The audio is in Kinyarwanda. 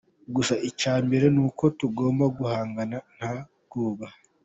Gusa icya mbere nuko tugomba guhangana nta bwoba.